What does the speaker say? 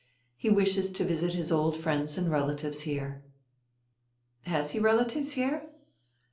He wishes to visit his old friends and relatives here." "Has he relatives here?"